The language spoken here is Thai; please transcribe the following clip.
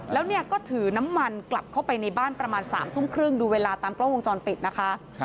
แล้วเนี่ยก็ถือน้ำมันกลับเข้าไปในบ้านประมาณ๓ทุ่มครึ่งดูเวลาตามกล้องวงจรปิดนะคะ